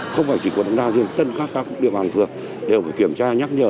không phải chỉ của đồng gia riêng tất cả các địa bàn thường đều phải kiểm tra nhắc nhở